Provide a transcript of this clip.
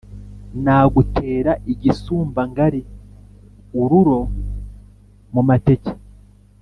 Nagutera igisumba ngari-Ururo mu mateke.